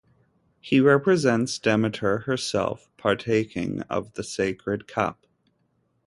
He represents Demeter herself partaking of the sacred cup.